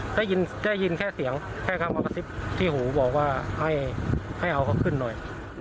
ได้ยินได้ยินแค่เสียงแค่คำอักษิติที่หูบอกว่าให้ให้เอาเขาขึ้นหน่อย